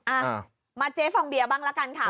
อ่ามาเจ๊ฟองเบียบ้างละกันค่ะ